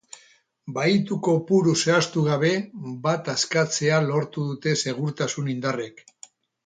Bahitu kopuru zehaztu gabe bat askatzea lortu dute segurtasun indarrek.